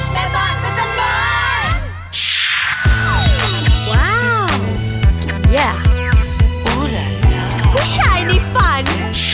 แม่บ้านกับจัดบ้าน